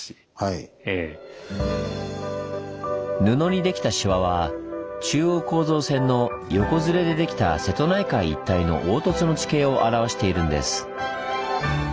布にできたシワは中央構造線の横ずれでできた瀬戸内海一帯の凹凸の地形を表しているんです。